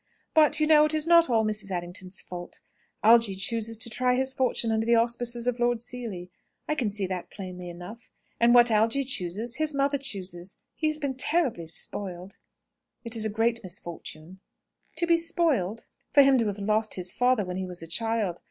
But, you know, it is not all Mrs. Errington's fault. Algy chooses to try his fortune under the auspices of Lord Seely I can see that plainly enough. And what Algy chooses his mother chooses. He has been terribly spoiled." "It is a great misfortune " "To be spoiled?" "For him to have lost his father when he was a child.